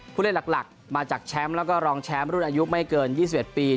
ผู้เล่นหลักมาจากแชมป์แล้วก็รองแชมป์รุ่นอายุไม่เกิน๒๑ปี